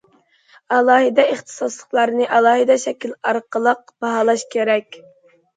ئالاھىدە ئىختىساسلىقلارنى ئالاھىدە شەكىل ئارقىلىق باھالاش كېرەك.